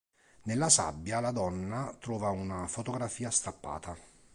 Nella sabbia la donna trova una fotografia strappata.